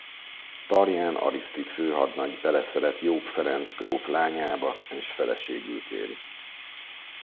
Tarján Arisztid főhadnagy beleszeret Jób Ferenc gróf lányába és feleségül kéri.